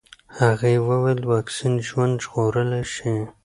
هغې وویل واکسین ژوند ژغورلی شي.